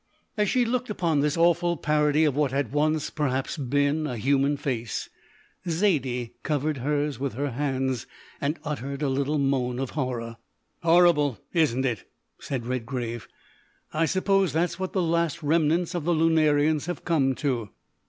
As she looked upon this awful parody of what had once perhaps been a human face, Zaidie covered hers with her hands and uttered a little moan of horror. "Horrible, isn't it?" said Redgrave. "I suppose that's what the last remnants of the Lunarians have come to.